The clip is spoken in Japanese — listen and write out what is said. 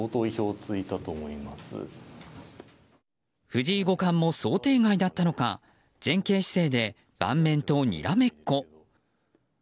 藤井五冠も想定外だったのか前傾姿勢で盤面とにらめっこ。